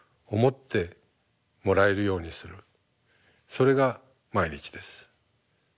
それが毎日です。